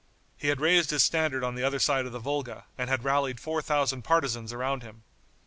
He had raised his standard on the other side of the Volga, and had rallied four thousand partisans around him.